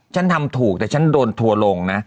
ฉันทำถูกแต่ฉันโดนทัวร์ลงนะ